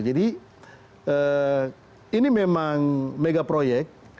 jadi ini memang megaproyek